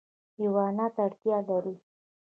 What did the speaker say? حیوانات اړتیا لري.